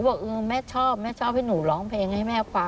ก็ผ่านไปได้มันต้องใช้เวลา